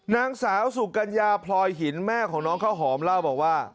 นางสาวสุกัญญาพลอยหินแม่ของน้องข้าวหอมเล่าบอกว่า